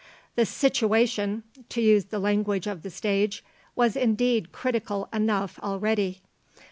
The "situation," to use the language of the stage, was indeed critical enough already.